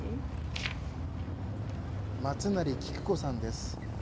松成紀公子さんです。